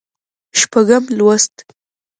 شپږم لوست